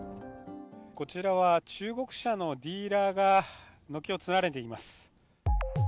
こちらは中国車のディーラーが軒を連ねています。